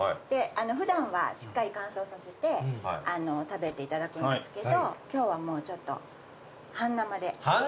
普段はしっかり乾燥させて食べていただくんですけど今日は半生で。